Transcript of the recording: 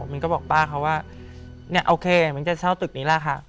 มิ้นก็บอกป้าเขาว่าเนี่ยโอเคมิ้นจะเช่าตึกนี้แหละค่ะ